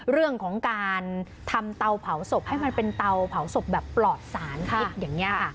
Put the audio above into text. เรื่องของการทำเตาเผาศพให้มันเป็นเตาเผาศพแบบปลอดศาลค่ะ